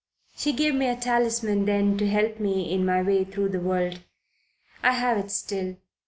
She gave me a talisman then to help me in my way through the world. I have it still."